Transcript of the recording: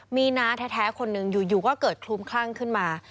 มีน้าแท้คนหนึ่งอยู่ก็เกิดคลุมคลั่งขึ้นมา